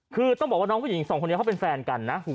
คือต้องบอกว่าน้องผู้หญิงสองคนนี้เขาเป็นแฟนกันนะ